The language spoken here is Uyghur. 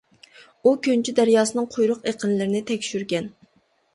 ئۇ كۆنچى دەرياسىنىڭ قۇيرۇق ئېقىنلىرىنى تەكشۈرگەن.